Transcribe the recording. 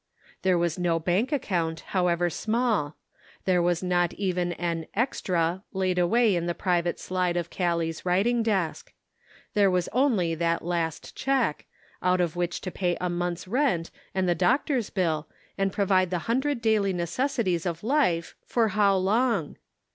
There was no bank account, however small ; there was not even an "extra" laid away in the private slide of Callie's writ 344 The Pocket Measure. ing desk. There was only that last check, out of which to pay a month's rent and the doctor's bill, and provide the hundred daily necessities of life, for how long